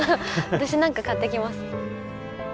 私何か買ってきます。